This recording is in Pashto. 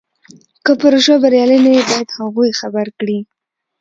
که پروژه بریالۍ نه وي باید هغوی خبر کړي.